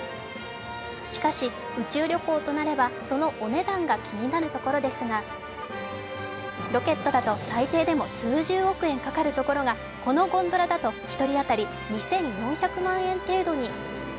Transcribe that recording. しかし、宇宙旅行となればそのお値段が気になるところですがロケットだと最低でも数十億円かかるところが、このゴンドラだと、１人当たり２４００万円程度に。